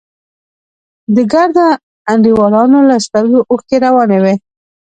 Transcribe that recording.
د ګردو انډيوالانو له سترگو اوښکې روانې وې.